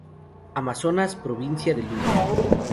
Amazonas: Provincia de Luya.